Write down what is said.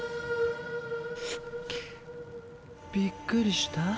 びっくりした？